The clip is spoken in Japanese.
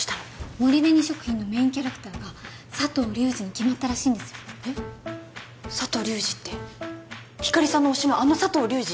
森紅食品のメインキャラクターが佐藤流司に決まったらしいんですよえっ佐藤流司ってひかりさんの推しのあの佐藤流司？